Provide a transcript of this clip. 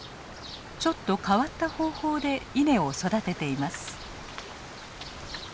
ちょっと変わった方法で稲を育てています。